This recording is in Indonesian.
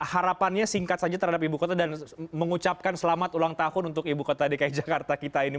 harapannya singkat saja terhadap ibu kota dan mengucapkan selamat ulang tahun untuk ibu kota dki jakarta kita ini